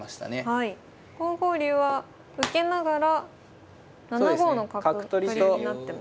５五竜は受けながら７五の角取りになってますね。